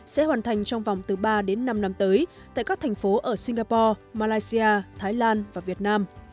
sẽ hoàn thành trong vòng từ ba đến năm năm tới tại các thành phố ở singapore malaysia thái lan và việt nam